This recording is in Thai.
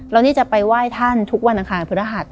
เรานี่จะไปไหว้ท่านทุกวันทางภื้ระหัส